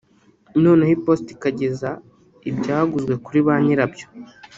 noneho iposita ikageza ibyaguzwe kuri ba nyirabyo